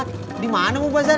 nih tadi kan kita dari pangkalan